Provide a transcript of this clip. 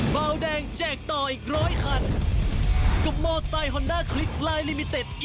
สวัสดีครับ